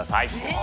え！